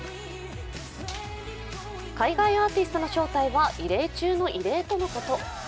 海外アーティストの招待は異例中の異例とのこと。